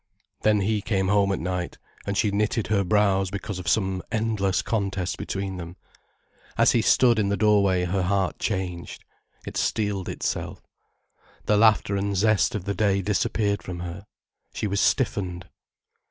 Then he came home at night, and she knitted her brows because of some endless contest between them. As he stood in the doorway her heart changed. It steeled itself. The laughter and zest of the day disappeared from her. She was stiffened.